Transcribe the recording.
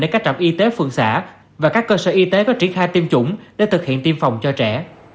để các trạm y tế phường xã và các cơ sở y tế có triển khai tiêm chủng để thực hiện tiêm phòng cho trẻ